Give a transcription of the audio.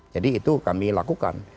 jadi itu kami lakukan